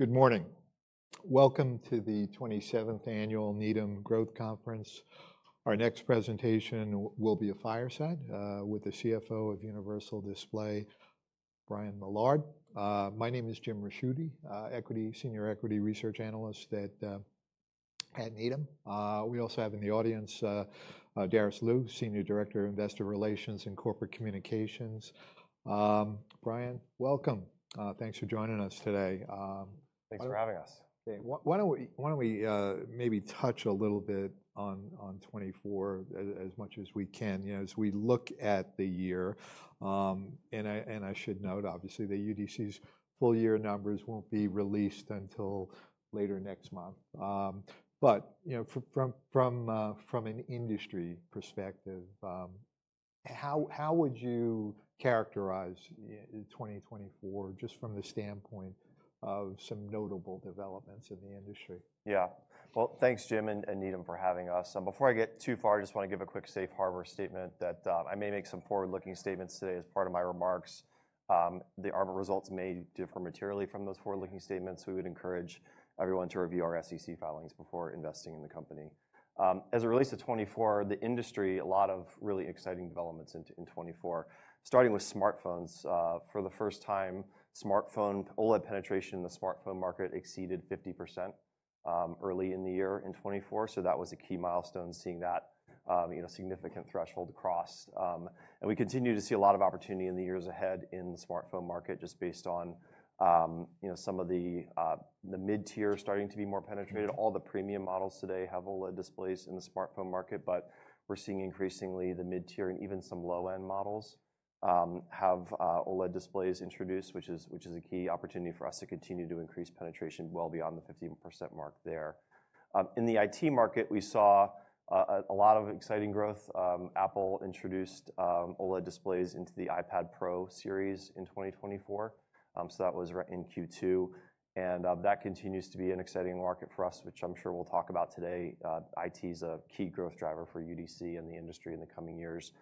Good morning. Welcome to the 27th Annual Needham Growth Conference. Our next presentation will be a fireside with the CFO of Universal Display, Brian Millard. My name is Jim Ricchiuti, Senior Equity Research Analyst at Needham. We also have in the audience Darice Liu, Senior Director of Investor Relations and Corporate Communications. Brian, welcome. Thanks for joining us today. Thanks for having us. Why don't we maybe touch a little bit on 2024 as much as we can, as we look at the year. And I should note, obviously, the UDC's full year numbers won't be released until later next month. But from an industry perspective, how would you characterize 2024 just from the standpoint of some notable developments in the industry? Yeah. Well, thanks, Jim and Needham, for having us. Before I get too far, I just want to give a quick safe harbor statement that I may make some forward-looking statements today as part of my remarks. The actual results may differ materially from those forward-looking statements. We would encourage everyone to review our SEC filings before investing in the company. As it relates to 2024, the industry, a lot of really exciting developments in 2024, starting with smartphones. For the first time, smartphone OLED penetration in the smartphone market exceeded 50% early in the year in 2024. So that was a key milestone, seeing that significant threshold crossed. We continue to see a lot of opportunity in the years ahead in the smartphone market, just based on some of the mid-tier starting to be more penetrated. All the premium models today have OLED displays in the smartphone market, but we're seeing increasingly the mid-tier and even some low-end models have OLED displays introduced, which is a key opportunity for us to continue to increase penetration well beyond the 50% mark there. In the IT market, we saw a lot of exciting growth. Apple introduced OLED displays into the iPad Pro series in 2024, so that was in Q2, and that continues to be an exciting market for us, which I'm sure we'll talk about today. IT is a key growth driver for UDC and the industry in the coming years,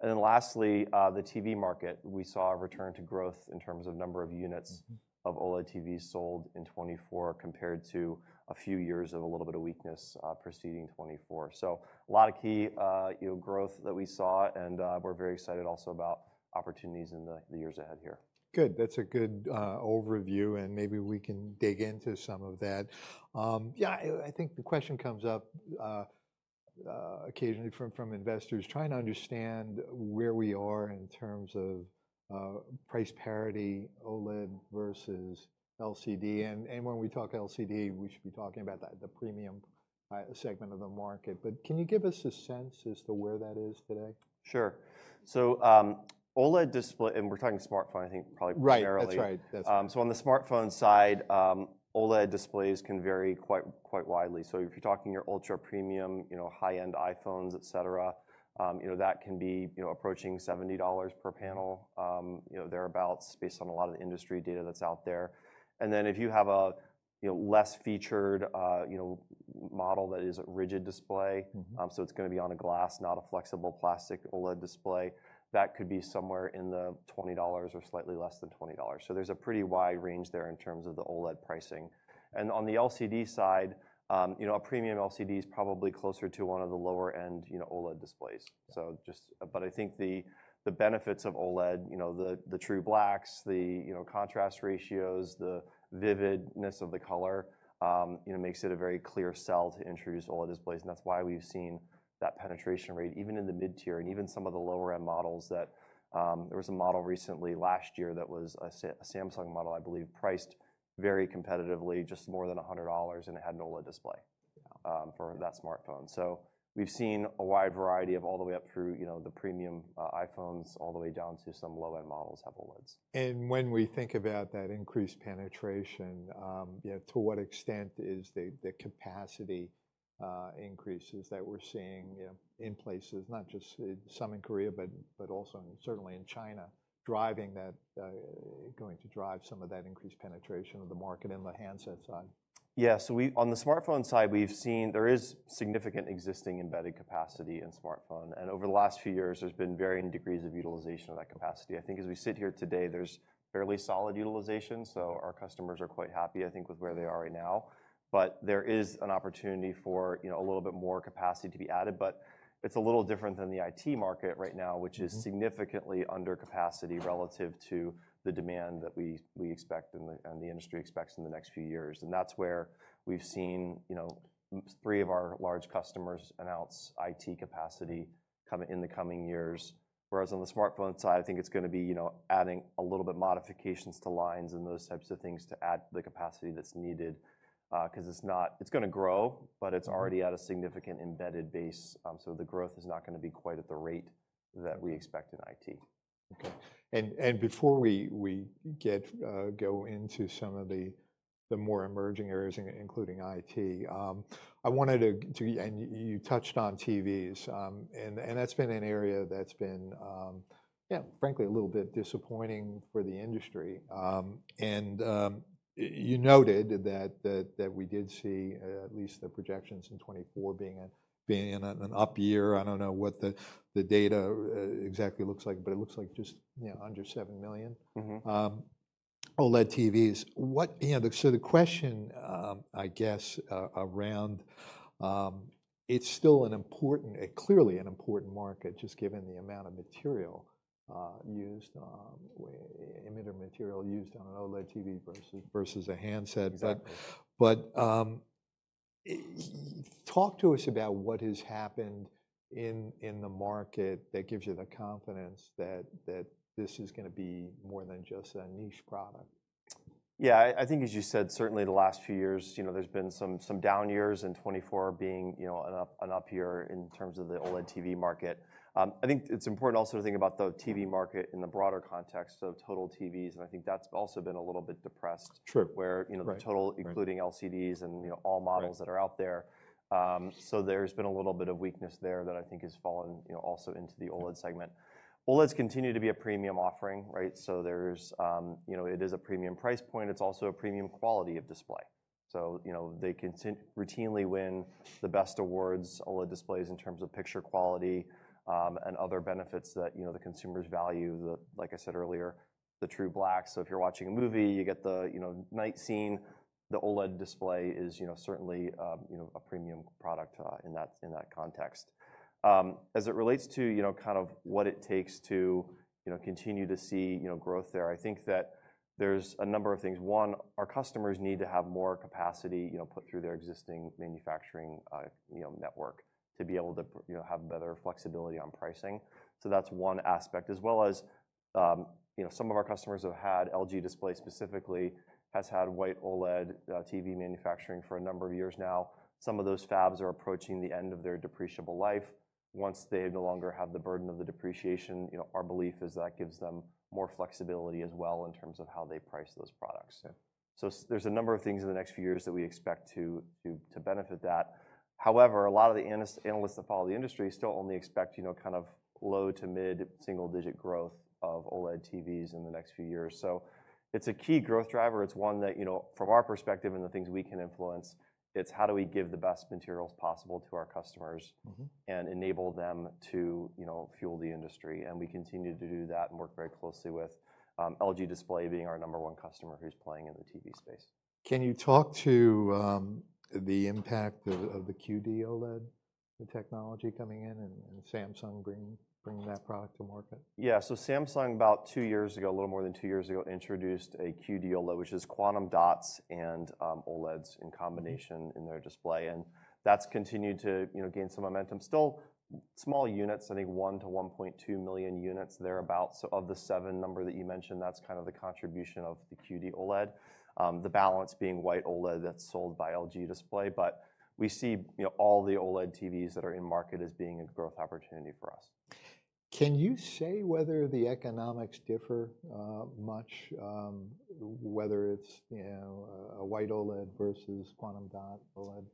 and then lastly, the TV market, we saw a return to growth in terms of number of units of OLED TVs sold in 2024 compared to a few years of a little bit of weakness preceding 2024, so a lot of key growth that we saw. We're very excited also about opportunities in the years ahead here. Good. That's a good overview. And maybe we can dig into some of that. Yeah, I think the question comes up occasionally from investors trying to understand where we are in terms of price parity, OLED versus LCD. And when we talk LCD, we should be talking about the premium segment of the market. But can you give us a sense as to where that is today? Sure, so OLED display, and we're talking smartphone, I think probably primarily. Right. That's right. So on the smartphone side, OLED displays can vary quite widely. So if you're talking your ultra premium, high-end iPhones, et cetera, that can be approaching $70 per panel, thereabouts, based on a lot of the industry data that's out there. And then if you have a less featured model that is a rigid display, so it's going to be on a glass, not a flexible plastic OLED display, that could be somewhere in the $20 or slightly less than $20. So there's a pretty wide range there in terms of the OLED pricing. And on the LCD side, a premium LCD is probably closer to one of the lower-end OLED displays. But I think the benefits of OLED, the true blacks, the contrast ratios, the vividness of the color makes it a very clear sell to introduce OLED displays. And that's why we've seen that penetration rate, even in the mid-tier and even some of the lower-end models. There was a model recently last year that was a Samsung model, I believe, priced very competitively, just more than $100, and it had an OLED display for that smartphone. So we've seen a wide variety of all the way up through the premium iPhones all the way down to some low-end models have OLEDs. When we think about that increased penetration, to what extent is the capacity increases that we're seeing in places, not just some in Korea, but also certainly in China, going to drive some of that increased penetration of the market in the handset side? Yeah. So on the smartphone side, we've seen there is significant existing embedded capacity in smartphone. And over the last few years, there's been varying degrees of utilization of that capacity. I think as we sit here today, there's fairly solid utilization. So our customers are quite happy, I think, with where they are right now. But there is an opportunity for a little bit more capacity to be added. But it's a little different than the IT market right now, which is significantly under capacity relative to the demand that we expect and the industry expects in the next few years. And that's where we've seen three of our large customers announce IT capacity in the coming years. Whereas on the smartphone side, I think it's going to be adding a little bit of modifications to lines and those types of things to add the capacity that's needed because it's going to grow, but it's already at a significant embedded base. So the growth is not going to be quite at the rate that we expect in IT. Okay. And before we go into some of the more emerging areas, including IT, I wanted to, and you touched on TVs. And that's been an area that's been, yeah, frankly, a little bit disappointing for the industry. And you noted that we did see at least the projections in 2024 being an up year. I don't know what the data exactly looks like, but it looks like just under 7 million OLED TVs. So the question, I guess, around, it's still clearly an important market, just given the amount of material, emitter material used on an OLED TV versus a handset. But talk to us about what has happened in the market that gives you the confidence that this is going to be more than just a niche product. Yeah. I think, as you said, certainly the last few years, there's been some down years in 2024 being an up year in terms of the OLED TV market. I think it's important also to think about the TV market in the broader context of total TVs. And I think that's also been a little bit depressed where the total, including LCDs and all models that are out there. So there's been a little bit of weakness there that I think has fallen also into the OLED segment. OLEDs continue to be a premium offering, right? So it is a premium price point. It's also a premium quality of display. So they routinely win the best awards, OLED displays in terms of picture quality and other benefits that the consumers value. Like I said earlier, the true blacks. So if you're watching a movie, you get the night scene. The OLED display is certainly a premium product in that context. As it relates to kind of what it takes to continue to see growth there, I think that there's a number of things. One, our customers need to have more capacity put through their existing manufacturing network to be able to have better flexibility on pricing. So that's one aspect. As well as, some of our customers have had. LG Display specifically has had white OLED TV manufacturing for a number of years now. Some of those fabs are approaching the end of their depreciable life. Once they no longer have the burden of the depreciation, our belief is that gives them more flexibility as well in terms of how they price those products. So there's a number of things in the next few years that we expect to benefit that. However, a lot of the analysts that follow the industry still only expect kind of low to mid single-digit growth of OLED TVs in the next few years. So it's a key growth driver. It's one that, from our perspective and the things we can influence, it's how do we give the best materials possible to our customers and enable them to fuel the industry. And we continue to do that and work very closely with LG Display being our number one customer who's playing in the TV space. Can you talk to the impact of the QD-OLED technology coming in and Samsung bringing that product to market? Yeah. So Samsung, about two years ago, a little more than two years ago, introduced a QD-OLED, which is quantum dots and OLEDs in combination in their display. And that's continued to gain some momentum. Still small units, I think one to 1.2 million units thereabouts. So of the 7 million that you mentioned, that's kind of the contribution of the QD-OLED, the balance being white OLED that's sold by LG Display. But we see all the OLED TVs that are in market as being a growth opportunity for us. Can you say whether the economics differ much, whether it's a white OLED versus quantum Dot OLED?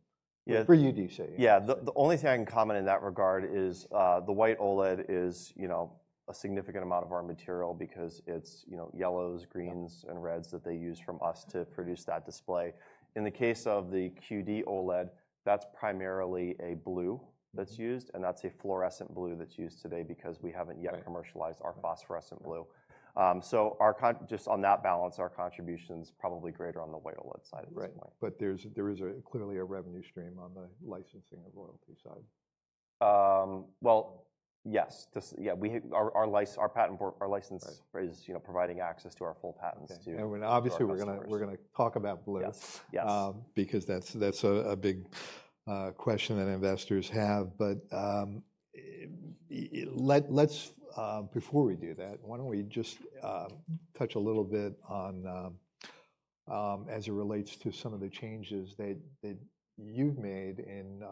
For UDC. Yeah. The only thing I can comment in that regard is the white OLED is a significant amount of our material because it's yellows, greens, and reds that they use from us to produce that display. In the case of the QD-OLED, that's primarily a blue that's used. And that's a fluorescent blue that's used today because we haven't yet commercialized our phosphorescent blue. So just on that balance, our contribution is probably greater on the white OLED side, at this point. But there is clearly a revenue stream on the licensing and royalty side. Well, yes. Yeah. Our license is providing access to our full patents too. Obviously, we're going to talk about blue. Yes. Because that's a big question that investors have. But before we do that, why don't we just touch a little bit on, as it relates to some of the changes that you've made in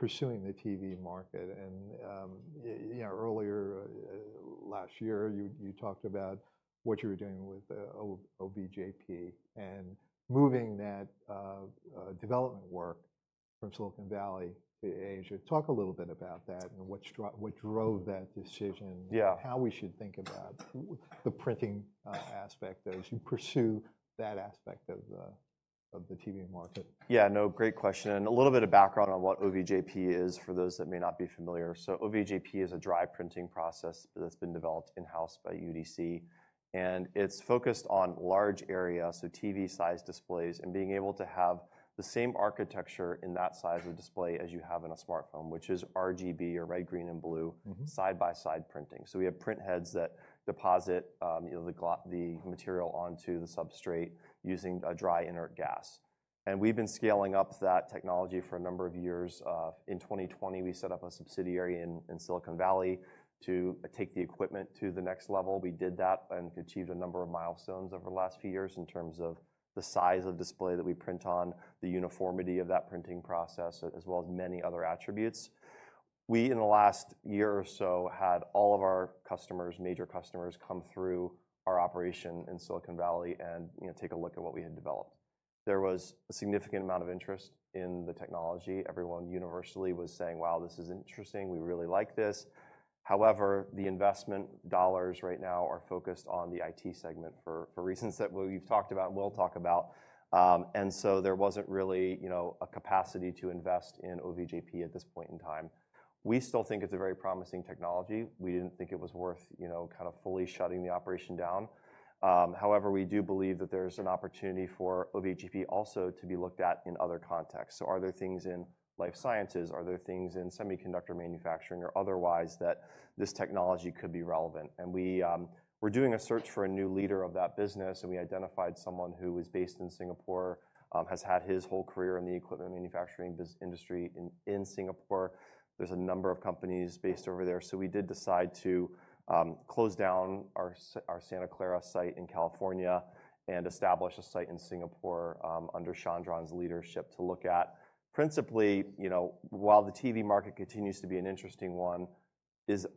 pursuing the TV market, and earlier last year, you talked about what you were doing with OVJP and moving that development work from Silicon Valley to Asia. Talk a little bit about that and what drove that decision, how we should think about the printing aspect as you pursue that aspect of the TV market. Yeah. No, great question. And a little bit of background on what OVJP is for those that may not be familiar. So OVJP is a dry printing process that's been developed in-house by UDC. And it's focused on large areas, so TV-sized displays and being able to have the same architecture in that size of display as you have in a smartphone, which is RGB or red, green, and blue, side-by-side printing. So we have print heads that deposit the material onto the substrate using a dry inert gas. And we've been scaling up that technology for a number of years. In 2020, we set up a subsidiary in Silicon Valley to take the equipment to the next level. We did that and achieved a number of milestones over the last few years in terms of the size of display that we print on, the uniformity of that printing process, as well as many other attributes. We, in the last year or so, had all of our customers, major customers, come through our operation in Silicon Valley and take a look at what we had developed. There was a significant amount of interest in the technology. Everyone universally was saying, "Wow, this is interesting. We really like this." However, the investment dollars right now are focused on the IT segment for reasons that we've talked about and will talk about. And so there wasn't really a capacity to invest in OVJP at this point in time. We still think it's a very promising technology. We didn't think it was worth kind of fully shutting the operation down. However, we do believe that there's an opportunity for OVJP also to be looked at in other contexts. So are there things in life sciences? Are there things in semiconductor manufacturing or otherwise that this technology could be relevant? We're doing a search for a new leader of that business. We identified someone who is based in Singapore, has had his whole career in the equipment manufacturing industry in Singapore. There's a number of companies based over there. We did decide to close down our Santa Clara site in California and establish a site in Singapore under Chandran's leadership to look at. Principally, while the TV market continues to be an interesting one,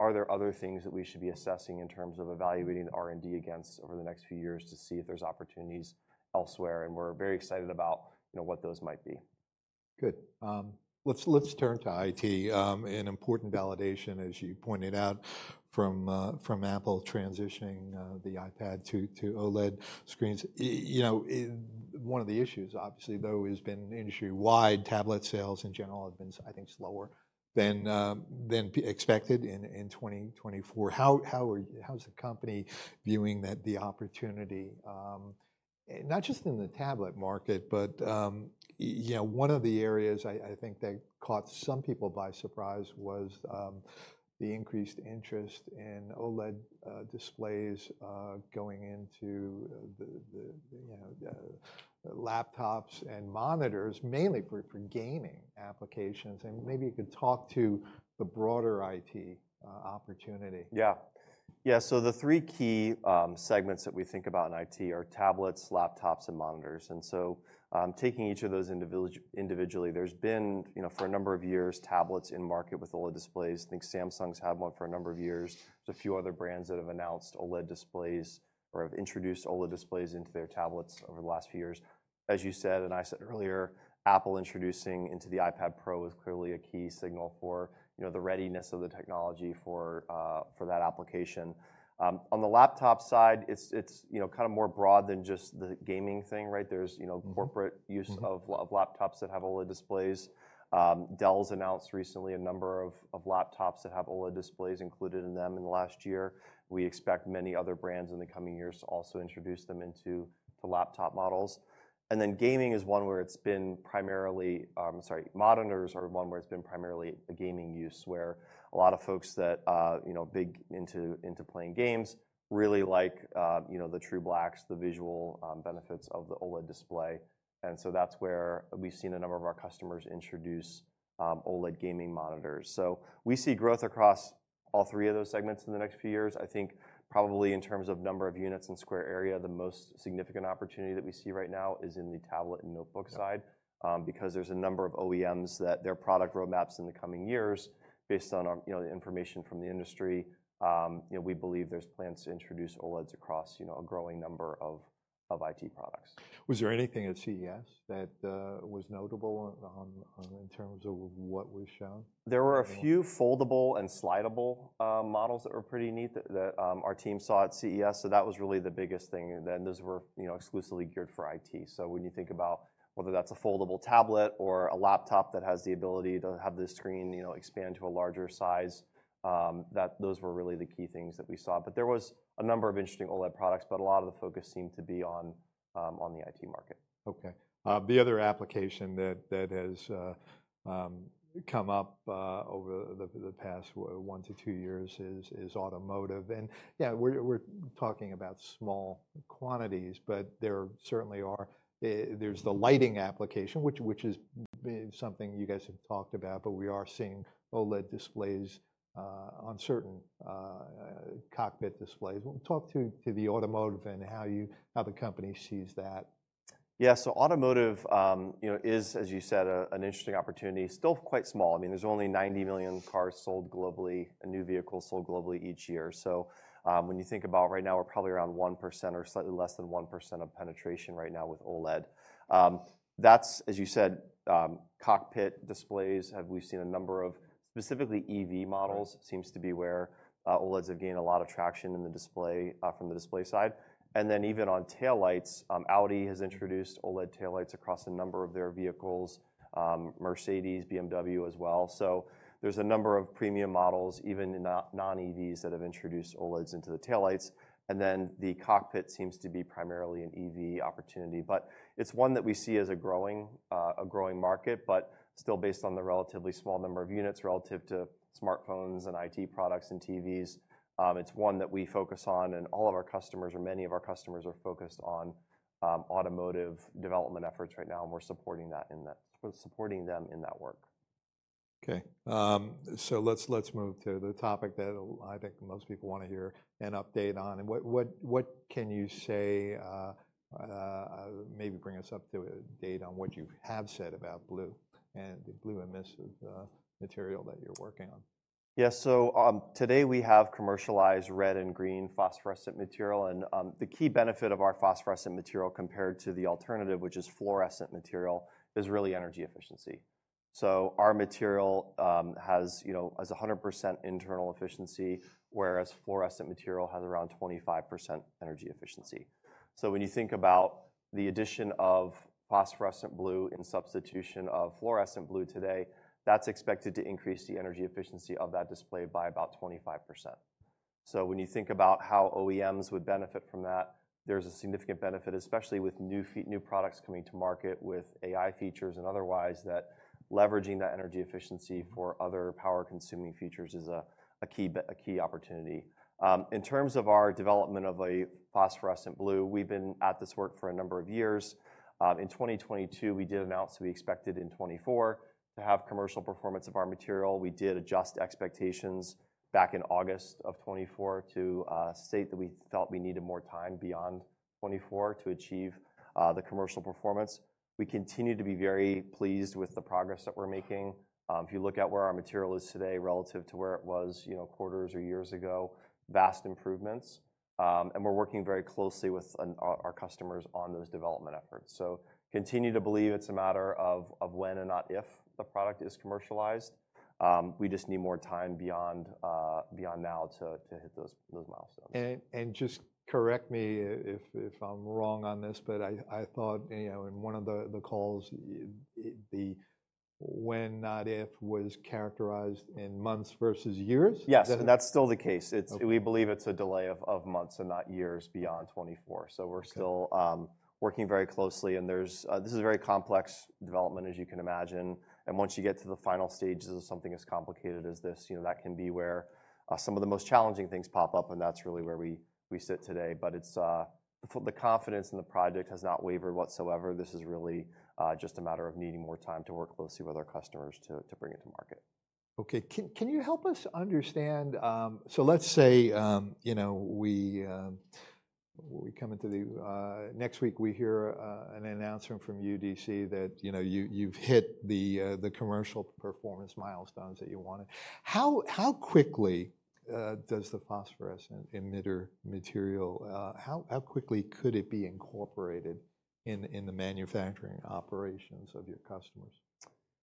are there other things that we should be assessing in terms of evaluating the R&D against over the next few years to see if there's opportunities elsewhere? We're very excited about what those might be. Good. Let's turn to IT. An important validation, as you pointed out, from Apple transitioning the iPad to OLED screens. One of the issues, obviously, though, has been industry-wide tablet sales in general have been, I think, slower than expected in 2024. How's the company viewing the opportunity, not just in the tablet market, but one of the areas I think that caught some people by surprise was the increased interest in OLED displays going into laptops and monitors, mainly for gaming applications. And maybe you could talk to the broader IT opportunity. Yeah. Yeah. So the three key segments that we think about in IT are tablets, laptops, and monitors. And so taking each of those individually, there's been for a number of years tablets in market with OLED displays. I think Samsung's had one for a number of years. There's a few other brands that have announced OLED displays or have introduced OLED displays into their tablets over the last few years. As you said, and I said earlier, Apple introducing into the iPad Pro is clearly a key signal for the readiness of the technology for that application. On the laptop side, it's kind of more broad than just the gaming thing, right? There's corporate use of laptops that have OLED displays. Dell's announced recently a number of laptops that have OLED displays included in them in the last year. We expect many other brands in the coming years to also introduce them into laptop models, and then gaming is one where it's been primarily, sorry, monitors are one where it's been primarily the gaming use where a lot of folks that are big into playing games really like the true blacks, the visual benefits of the OLED display, and so that's where we've seen a number of our customers introduce OLED gaming monitors, so we see growth across all three of those segments in the next few years. I think probably in terms of number of units and square area, the most significant opportunity that we see right now is in the tablet and notebook side because there's a number of OEMs that their product roadmaps in the coming years based on the information from the industry. We believe there's plans to introduce OLEDs across a growing number of IT products. Was there anything at CES that was notable in terms of what was shown? There were a few foldable and slidable models that were pretty neat that our team saw at CES, so that was really the biggest thing, and those were exclusively geared for IT, so when you think about whether that's a foldable tablet or a laptop that has the ability to have the screen expand to a larger size, those were really the key things that we saw, but there was a number of interesting OLED products, but a lot of the focus seemed to be on the IT market. Okay. The other application that has come up over the past one to two years is automotive. And yeah, we're talking about small quantities, but there certainly are. There's the lighting application, which is something you guys have talked about, but we are seeing OLED displays on certain cockpit displays. Talk to the automotive and how the company sees that. Yeah. So automotive is, as you said, an interesting opportunity. Still quite small. I mean, there's only 90 million cars sold globally, a new vehicle sold globally each year. So when you think about right now, we're probably around 1% or slightly less than 1% of penetration right now with OLED. That's, as you said, cockpit displays. We've seen a number of specifically EV models seems to be where OLEDs have gained a lot of traction from the display side. And then even on taillights, Audi has introduced OLED taillights across a number of their vehicles, Mercedes, BMW as well. So there's a number of premium models, even non-EVs that have introduced OLEDs into the taillights. And then the cockpit seems to be primarily an EV opportunity. But it's one that we see as a growing market, but still based on the relatively small number of units relative to smartphones and IT products and TVs. It's one that we focus on, and all of our customers or many of our customers are focused on automotive development efforts right now. And we're supporting them in that work. Okay. So let's move to the topic that I think most people want to hear an update on. And what can you say, maybe bring us up to date on what you have said about blue and the blue emissive material that you're working on? Yeah, so today we have commercialized red and green phosphorescent material, and the key benefit of our phosphorescent material compared to the alternative, which is fluorescent material, is really energy efficiency, so our material has 100% internal efficiency, whereas fluorescent material has around 25% energy efficiency, so when you think about the addition of phosphorescent blue in substitution of fluorescent blue today, that's expected to increase the energy efficiency of that display by about 25%, so when you think about how OEMs would benefit from that, there's a significant benefit, especially with new products coming to market with AI features and otherwise, that leveraging that energy efficiency for other power-consuming features is a key opportunity. In terms of our development of a phosphorescent blue, we've been at this work for a number of years. In 2022, we did announce that we expected in 2024 to have commercial performance of our material. We did adjust expectations back in August of 2024 to state that we felt we needed more time beyond 2024 to achieve the commercial performance. We continue to be very pleased with the progress that we're making. If you look at where our material is today relative to where it was quarters or years ago, vast improvements, and we're working very closely with our customers on those development efforts, so continue to believe it's a matter of when and not if the product is commercialized. We just need more time beyond now to hit those milestones. Just correct me if I'm wrong on this, but I thought in one of the calls, the when not if was characterized in months versus years. Yes. And that's still the case. We believe it's a delay of months and not years beyond 2024. So we're still working very closely. And this is a very complex development, as you can imagine. And once you get to the final stages of something as complicated as this, that can be where some of the most challenging things pop up. And that's really where we sit today. But the confidence in the project has not wavered whatsoever. This is really just a matter of needing more time to work closely with our customers to bring it to market. Okay. Can you help us understand? So let's say we come into the next week, we hear an announcement from UDC that you've hit the commercial performance milestones that you wanted. How quickly does the phosphorescent emitter material? How quickly could it be incorporated in the manufacturing operations of your customers?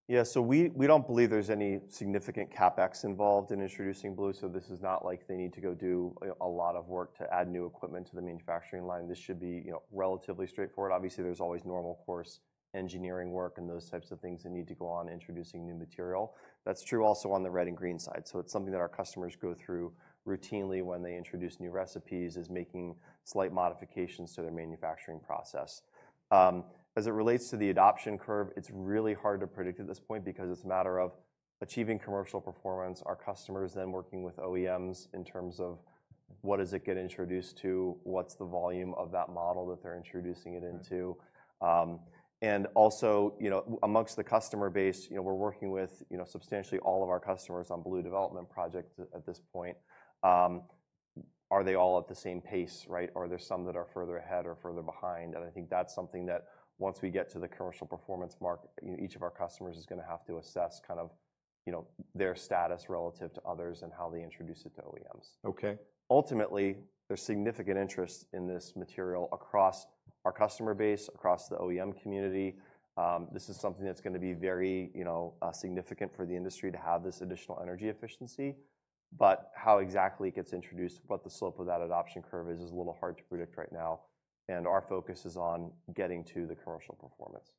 Yeah. So we don't believe there's any significant CapEx involved in introducing blue. So this is not like they need to go do a lot of work to add new equipment to the manufacturing line. This should be relatively straightforward. Obviously, there's always normal course engineering work and those types of things that need to go on introducing new material. That's true also on the red and green side. So it's something that our customers go through routinely when they introduce new recipes is making slight modifications to their manufacturing process. As it relates to the adoption curve, it's really hard to predict at this point because it's a matter of achieving commercial performance. Our customers then working with OEMs in terms of what does it get introduced to, what's the volume of that model that they're introducing it into. And also amongst the customer base, we're working with substantially all of our customers on blue development projects at this point. Are they all at the same pace, right? Are there some that are further ahead or further behind? And I think that's something that once we get to the commercial performance mark, each of our customers is going to have to assess kind of their status relative to others and how they introduce it to OEMs. Okay. Ultimately, there's significant interest in this material across our customer base, across the OEM community. This is something that's going to be very significant for the industry to have this additional energy efficiency. But how exactly it gets introduced, what the slope of that adoption curve is, is a little hard to predict right now. And our focus is on getting to the commercial performance.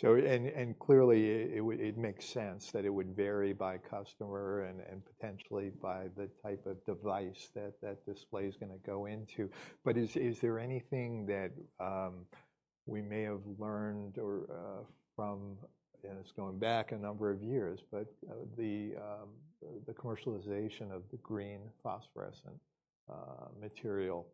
Clearly, it makes sense that it would vary by customer and potentially by the type of device that that display is going to go into. Is there anything that we may have learned from, and it's going back a number of years, but the commercialization of the green phosphorescent material?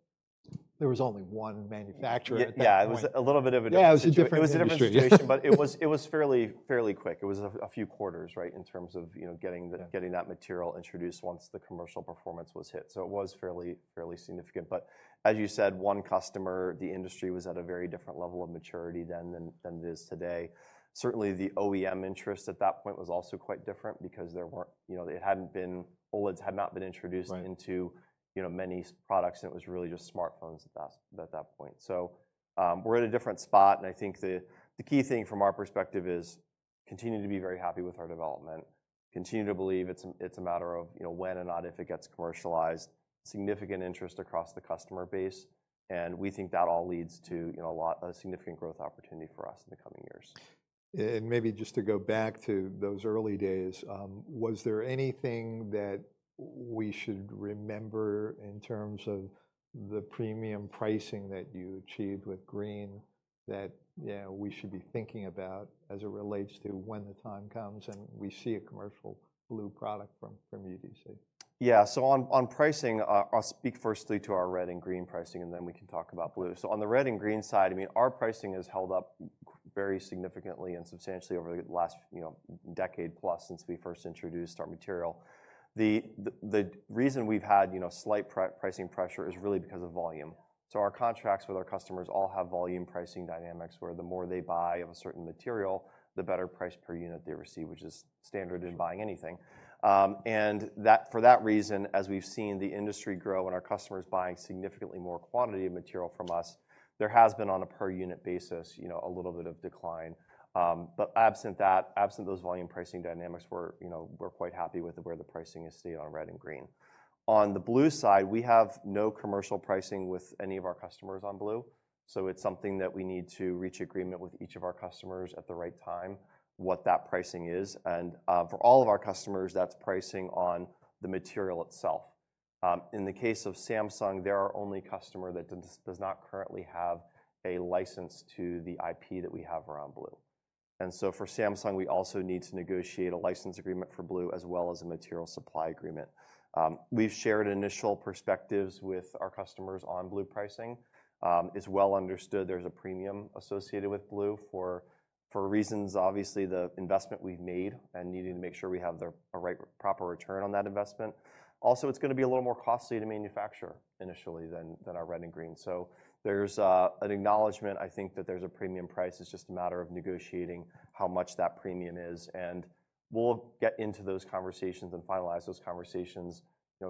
There was only one manufacturer. Yeah. It was a little bit of a different situation. Yeah. It was a different situation, but it was fairly quick. It was a few quarters, right, in terms of getting that material introduced once the commercial performance was hit. So it was fairly significant. But as you said, one customer, the industry was at a very different level of maturity then than it is today. Certainly, the OEM interest at that point was also quite different because there weren't, it hadn't been, OLEDs had not been introduced into many products. And it was really just smartphones at that point. So we're at a different spot. And I think the key thing from our perspective is continue to be very happy with our development, continue to believe it's a matter of when and not if it gets commercialized, significant interest across the customer base. And we think that all leads to a significant growth opportunity for us in the coming years. And maybe just to go back to those early days, was there anything that we should remember in terms of the premium pricing that you achieved with green that we should be thinking about as it relates to when the time comes and we see a commercial blue product from UDC? Yeah, so on pricing, I'll speak firstly to our red and green pricing, and then we can talk about blue, so on the red and green side, I mean, our pricing has held up very significantly and substantially over the last decade plus since we first introduced our material. The reason we've had slight pricing pressure is really because of volume, so our contracts with our customers all have volume pricing dynamics where the more they buy of a certain material, the better price per unit they receive, which is standard in buying anything, and for that reason, as we've seen the industry grow and our customers buying significantly more quantity of material from us, there has been on a per unit basis a little bit of decline, but absent those volume pricing dynamics, we're quite happy with where the pricing is stayed on red and green. On the blue side, we have no commercial pricing with any of our customers on blue, so it's something that we need to reach agreement with each of our customers at the right time what that pricing is. And for all of our customers, that's pricing on the material itself. In the case of Samsung, they're our only customer that does not currently have a license to the IP that we have around blue, and so for Samsung, we also need to negotiate a license agreement for blue as well as a material supply agreement. We've shared initial perspectives with our customers on blue pricing. It's well understood there's a premium associated with blue for reasons, obviously, the investment we've made and needing to make sure we have the right proper return on that investment. Also, it's going to be a little more costly to manufacture initially than our red and green. So there's an acknowledgment, I think, that there's a premium price. It's just a matter of negotiating how much that premium is. And we'll get into those conversations and finalize those conversations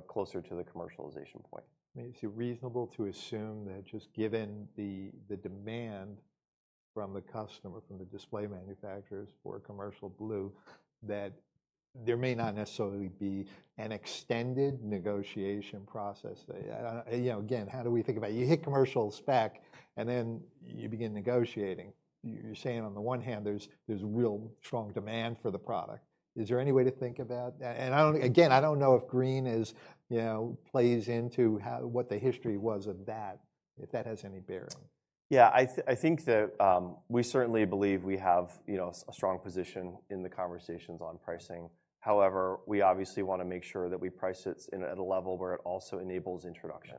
closer to the commercialization point. I mean, is it reasonable to assume that just given the demand from the customer, from the display manufacturers for commercial blue, that there may not necessarily be an extended negotiation process? Again, how do we think about it? You hit commercial spec, and then you begin negotiating. You're saying on the one hand, there's real strong demand for the product. Is there any way to think about that? And again, I don't know if green plays into what the history was of that, if that has any bearing? Yeah. I think that we certainly believe we have a strong position in the conversations on pricing. However, we obviously want to make sure that we price it at a level where it also enables introduction.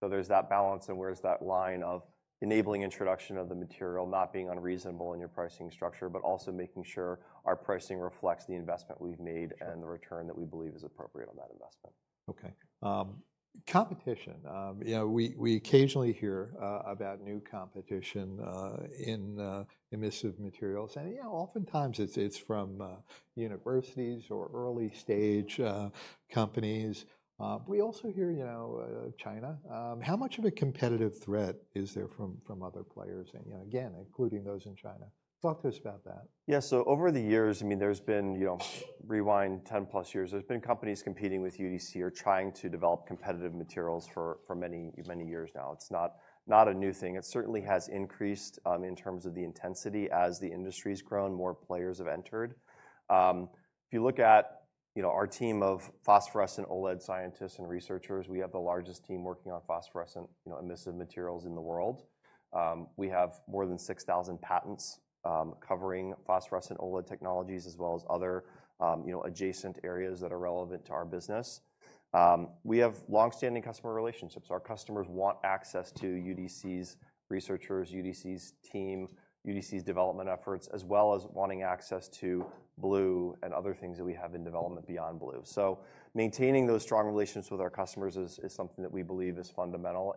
So there's that balance and where's that line of enabling introduction of the material not being unreasonable in your pricing structure, but also making sure our pricing reflects the investment we've made and the return that we believe is appropriate on that investment. Okay. Competition. We occasionally hear about new competition in emissive materials. And oftentimes, it's from universities or early-stage companies. We also hear China. How much of a competitive threat is there from other players? And again, including those in China. Talk to us about that. Yeah. So over the years, I mean, rewind 10-plus years, there's been companies competing with UDC or trying to develop competitive materials for many, many years now. It's not a new thing. It certainly has increased in terms of the intensity as the industry has grown, more players have entered. If you look at our team of phosphorescent OLED scientists and researchers, we have the largest team working on phosphorescent emissive materials in the world. We have more than 6,000 patents covering phosphorescent OLED technologies as well as other adjacent areas that are relevant to our business. We have long-standing customer relationships. Our customers want access to UDC's researchers, UDC's team, UDC's development efforts, as well as wanting access to blue and other things that we have in development beyond blue. So maintaining those strong relations with our customers is something that we believe is fundamental.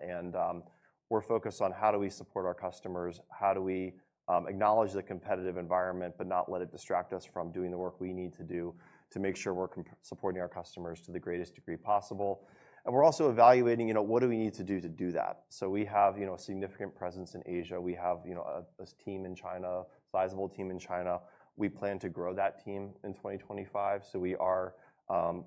We're focused on how do we support our customers, how do we acknowledge the competitive environment, but not let it distract us from doing the work we need to do to make sure we're supporting our customers to the greatest degree possible. We're also evaluating what do we need to do to do that. We have a significant presence in Asia. We have a team in China, sizable team in China. We plan to grow that team in 2025. We are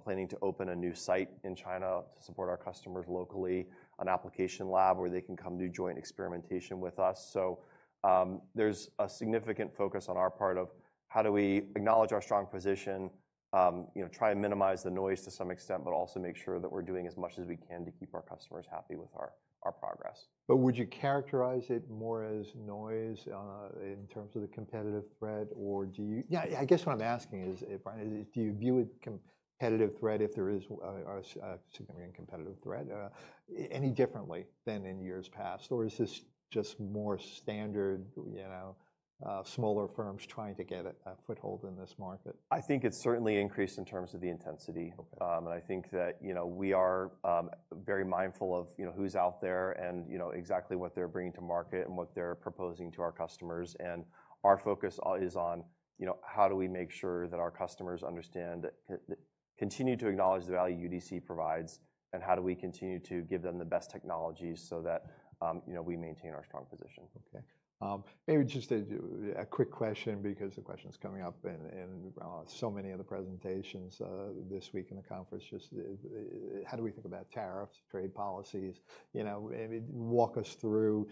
planning to open a new site in China to support our customers locally, an application lab where they can come do joint experimentation with us. So there's a significant focus on our part of how do we acknowledge our strong position, try and minimize the noise to some extent, but also make sure that we're doing as much as we can to keep our customers happy with our progress. But would you characterize it more as noise in terms of the competitive threat? Or do you? Yeah, I guess what I'm asking is, do you view it competitive threat if there is a significant competitive threat? Any differently than in years past? Or is this just more standard, smaller firms trying to get a foothold in this market? I think it's certainly increased in terms of the intensity. And I think that we are very mindful of who's out there and exactly what they're bringing to market and what they're proposing to our customers. And our focus is on how do we make sure that our customers understand, continue to acknowledge the value UDC provides, and how do we continue to give them the best technologies so that we maintain our strong position. Okay. Maybe just a quick question because the question's coming up in so many of the presentations this week in the conference. Just how do we think about tariffs, trade policies? Maybe walk us through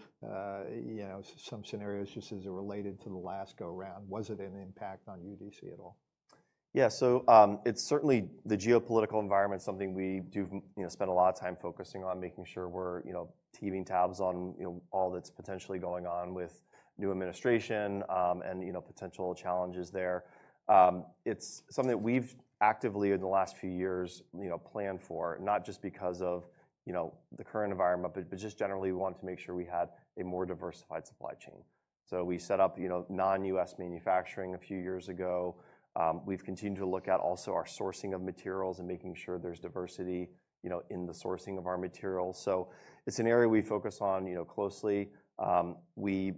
some scenarios just as it related to the last go-round. Was it an impact on UDC at all? Yeah. So it's certainly the geopolitical environment, something we do spend a lot of time focusing on, making sure we're keeping tabs on all that's potentially going on with new administration and potential challenges there. It's something that we've actively in the last few years planned for, not just because of the current environment, but just generally we wanted to make sure we had a more diversified supply chain. So we set up non-U.S. manufacturing a few years ago. We've continued to look at also our sourcing of materials and making sure there's diversity in the sourcing of our materials. So it's an area we focus on closely. We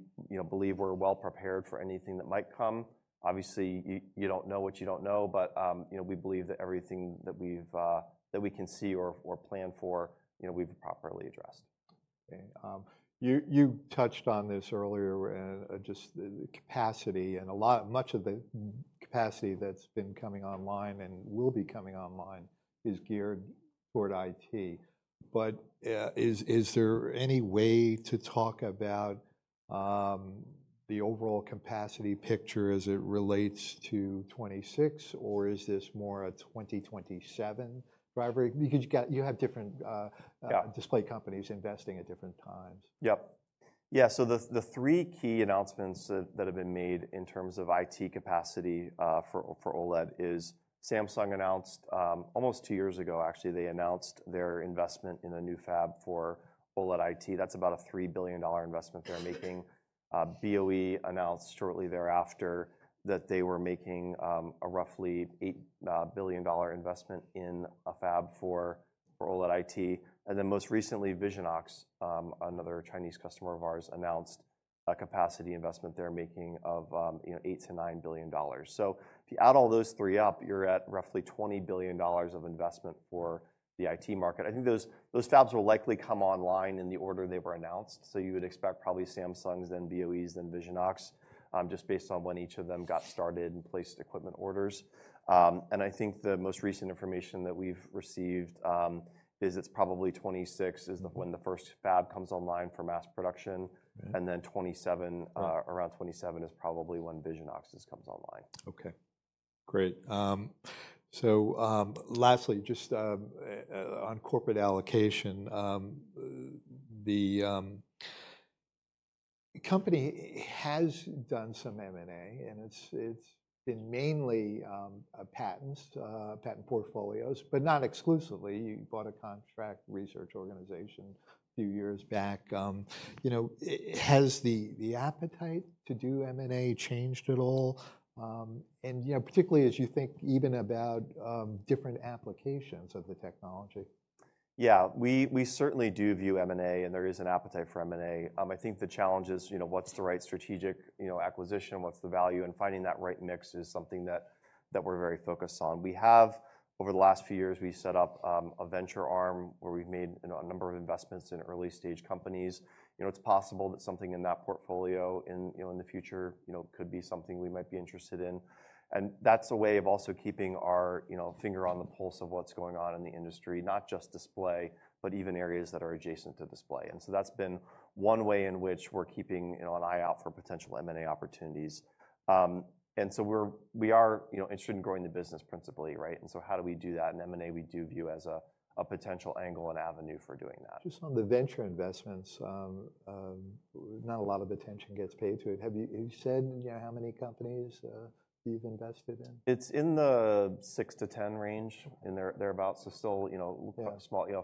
believe we're well prepared for anything that might come. Obviously, you don't know what you don't know, but we believe that everything that we can see or plan for, we've properly addressed. Okay. You touched on this earlier, just the capacity and much of the capacity that's been coming online and will be coming online is geared toward IT. But is there any way to talk about the overall capacity picture as it relates to 2026? Or is this more a 2027 driver? Because you have different display companies investing at different times. Yep. Yeah. So the three key announcements that have been made in terms of IT capacity for OLED is Samsung announced almost two years ago, actually, they announced their investment in a new fab for OLED IT. That's about a $3 billion investment they're making. BOE announced shortly thereafter that they were making a roughly $8 billion investment in a fab for OLED IT. And then most recently, Visionox, another Chinese customer of ours, announced a capacity investment they're making of $8 billion-$9 billion. So if you add all those three up, you're at roughly $20 billion of investment for the IT market. I think those fabs will likely come online in the order they were announced. So you would expect probably Samsung's, then BOE's, then Visionox, just based on when each of them got started and placed equipment orders. And I think the most recent information that we've received is it's probably 2026 is when the first fab comes online for mass production. And then 2027, around 2027 is probably when Visionox's comes online. Okay. Great. So lastly, just on capital allocation, the company has done some M&A, and it's been mainly patents, patent portfolios, but not exclusively. You bought a contract research organization a few years back. Has the appetite to do M&A changed at all? And particularly as you think even about different applications of the technology. Yeah. We certainly do view M&A, and there is an appetite for M&A. I think the challenge is what's the right strategic acquisition, what's the value, and finding that right mix is something that we're very focused on. We have, over the last few years, set up a venture arm where we've made a number of investments in early-stage companies. It's possible that something in that portfolio in the future could be something we might be interested in. And that's a way of also keeping our finger on the pulse of what's going on in the industry, not just display, but even areas that are adjacent to display. And so that's been one way in which we're keeping an eye out for potential M&A opportunities. And so we are interested in growing the business principally, right? And so how do we do that? M&A we do view as a potential angle and avenue for doing that. Just on the venture investments, not a lot of attention gets paid to it. Have you said how many companies you've invested in? It's in the 6-10 range, and they're about still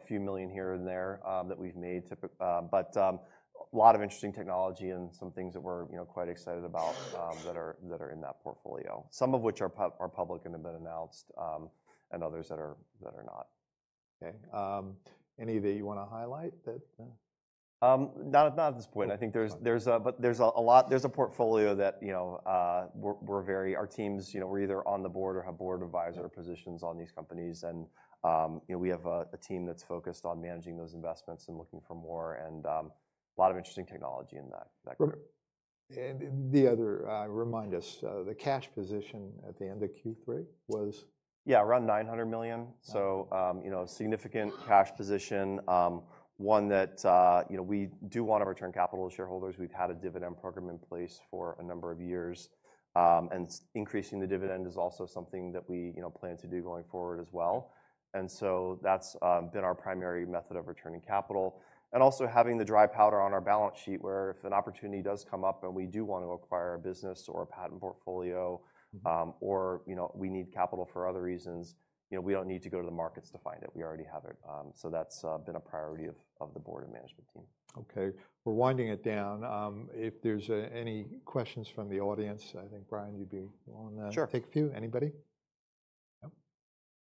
a few million here and there that we've made, but a lot of interesting technology and some things that we're quite excited about that are in that portfolio, some of which are public and have been announced and others that are not. Okay. Any that you want to highlight? Not at this point. I think there's a lot. There's a portfolio that our teams were either on the board or have board advisor positions on these companies, and we have a team that's focused on managing those investments and looking for more and a lot of interesting technology in that group. And the other, remind us, the cash position at the end of Q3 was? Yeah, around $900 million. So a significant cash position, one that we do want to return capital to shareholders. We've had a dividend program in place for a number of years. And increasing the dividend is also something that we plan to do going forward as well. And so that's been our primary method of returning capital. And also having the dry powder on our balance sheet where if an opportunity does come up and we do want to acquire a business or a patent portfolio or we need capital for other reasons, we don't need to go to the markets to find it. We already have it. So that's been a priority of the board and management team. Okay. We're winding it down. If there's any questions from the audience, I think, Brian, you'd be willing to take a few. Anybody? Yep.